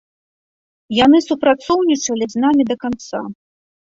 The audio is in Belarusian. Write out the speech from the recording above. Яны супрацоўнічалі з намі да канца.